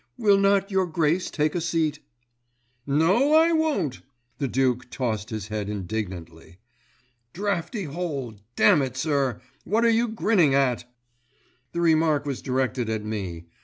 "Will not Your Grace take a seat." "No, I won't!" the Duke tossed his head indignantly. "Draughty hole—damn it, sir, what are you grinning at?" The remark was directed at me.